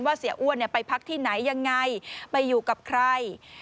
เสียอ้วนไปพักที่ไหนยังไงไปอยู่กับใคร